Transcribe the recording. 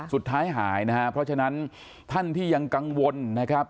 สุดท้ายหายนะครับเพราะฉะนั้นท่านที่ยังกังวลนะครับ